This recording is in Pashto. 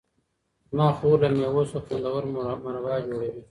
زما خور له مېوو څخه خوندور مربا جوړوي.